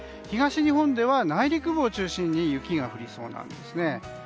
東日本では内陸部を中心に雪が降りそうなんですね。